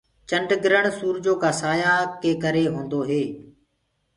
چنڊگِرڻ سوُرجو ڪآ سآيآ ڪي ڪري هوندو هي۔